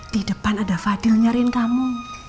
di depan ada fadil nyariin kamu